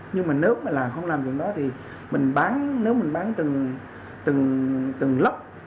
nhưng mà nếu mà không làm chuyện đó thì mình bán nếu mình bán từng lốc